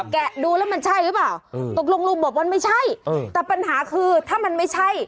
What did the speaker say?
ดูแล้วมันใช่หรือเปล่าตกลงลุงบอกว่าไม่ใช่แต่ปัญหาคือถ้ามันไม่ใช่